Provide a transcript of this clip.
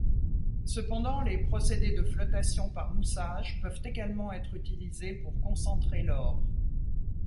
Cependant, les procédés de flottation par moussage peuvent également être utilisés pour concentrer l'or.